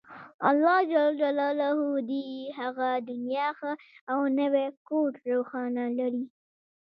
الله ﷻ دې يې هغه دنيا ښه او نوی کور روښانه لري